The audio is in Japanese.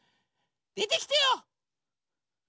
でてきてよ！